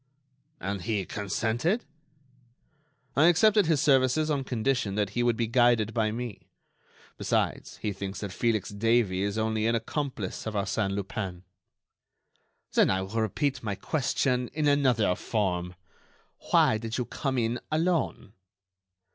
"And he consented?" "I accepted his services on condition that he would be guided by me. Besides, he thinks that Felix Davey is only an accomplice of Arsène Lupin." "Then I will repeat my question in another form. Why did you come in alone?"